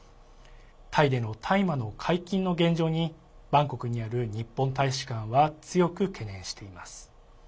タイでの大麻の解禁の現状にバンコクにある日本大使館は強く懸念しています。